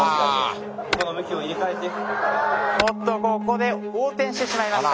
ここで横転してしまいました。